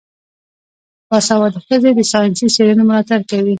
باسواده ښځې د ساینسي څیړنو ملاتړ کوي.